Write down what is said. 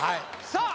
さあ